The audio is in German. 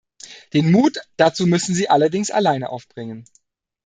Den Mut dazu müssen Sie allerdings alleine aufbringen.